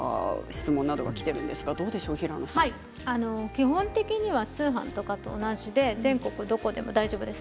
基本的には通販とかと同じで全国どこでも大丈夫です。